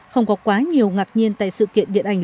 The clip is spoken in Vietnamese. không có quá nhiều ngạc nhiên tại sự kiện điện ảnh